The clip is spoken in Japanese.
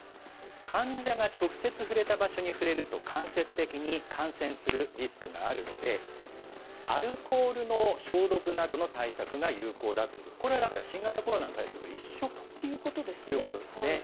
患者が直接触れた場所に触れると、間接的に感染するリスクがあるので、アルコールの消毒などの対策が有効だという、これはだから、新型コロナに対する対策と一緒ということですね。